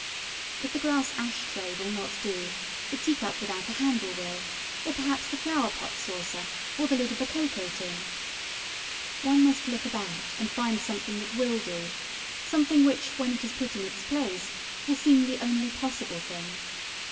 If the glass ash tray will not do, the tea cup without a handle will or perhaps the flower pot saucer, or the lid of a cocoa tin. ... One must look about, and find something that will do, something which when it is put in its place will seem the only possible thing.